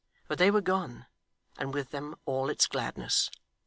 But they were gone, and with them all its gladness.